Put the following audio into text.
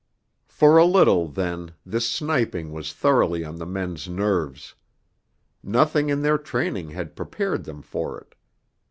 For a little, then, this sniping was thoroughly on the men's nerves. Nothing in their training had prepared them for it.